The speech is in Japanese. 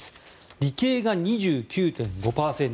理系が２９．５％